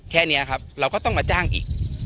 แค่นี้ครับเราก็ต้องมาจ้างอีก